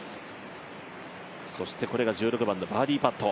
これが１６番のバーディーパット。